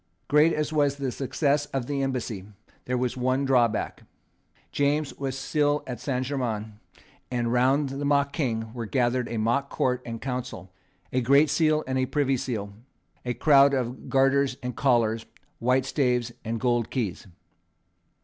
Great as was the success of the embassy, there was one drawback. James was still at Saint Germains; and round the mock King were gathered a mock Court and Council, a Great Seal and a Privy Seal, a crowd of garters and collars, white staves and gold keys.